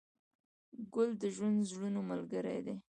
ګل د ژوندي زړونو ملګری دی.